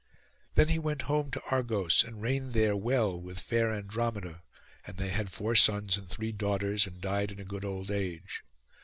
Then he went home to Argos, and reigned there well with fair Andromeda; and they had four sons and three daughters, and died in a good old age.